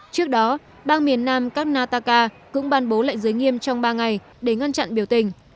trước đó bang miền nam karnataka cũng ban bố lệnh giới nghiêm trong ba ngày để ngăn chặn biểu tình